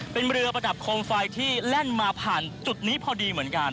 เป็นเรือประดับโคมไฟที่แล่นมาผ่านจุดนี้พอดีเหมือนกัน